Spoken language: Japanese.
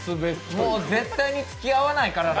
もう絶対に付き合わないからな。